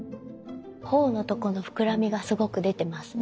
頬のとこの膨らみがすごく出てますよね。